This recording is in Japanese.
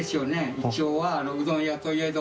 一応はうどん屋といえど。